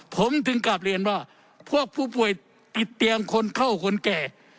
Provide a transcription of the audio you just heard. ผมถึงกลับเรียนว่าพวกผู้ป่วยติดเตียงคนเท่าคนแก่